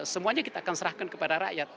semuanya kita akan serahkan kepada rakyat